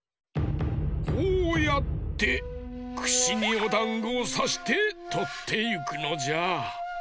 こうやってくしにおだんごをさしてとっていくのじゃ。